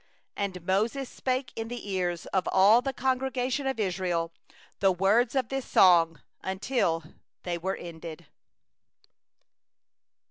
30And Moses spoke in the ears of all the assembly of Israel the words of this song, until they were finished